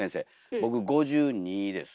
僕５２です。